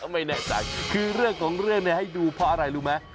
ไม่แน่ใจคือเรื่องของเรื่องเนี่ยให้ดูเพราะอะไรรู้ไหม